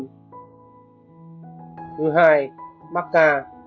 thứ hai macca